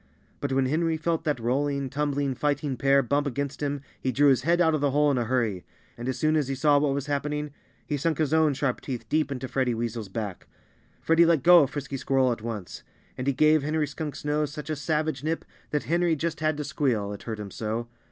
But when Henry felt that rolling, tumbling, fighting pair bump against him he drew his head out of the hole in a hurry. And as soon as he saw what was happening he sunk his own sharp teeth deep into Freddie Weasel's back. Freddie let go of Frisky Squirrel at once. And he gave Henry Skunk's nose such a savage nip that Henry just had to squeal it hurt him so.